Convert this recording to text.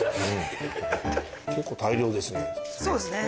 結構大量ですね。